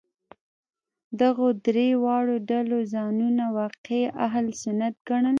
دغو درې واړو ډلو ځانونه واقعي اهل سنت ګڼل.